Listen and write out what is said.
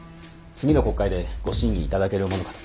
次の国会でご審議いただけるものかと。